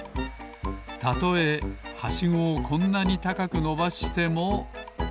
たとえはしごをこんなにたかくのばしても。